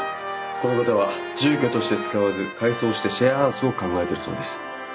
この方は住居として使わず改装してシェアハウスを考えているそうです。